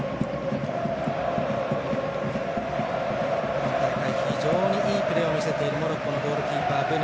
今大会非常にいいプレーを見せているモロッコのゴールキーパー、ブヌ。